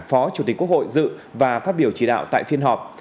phó chủ tịch quốc hội dự và phát biểu chỉ đạo tại phiên họp